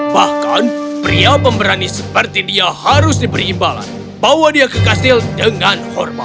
bahkan pria pemberani seperti dia harus diberi imbalan bawa dia ke kastil dengan hormat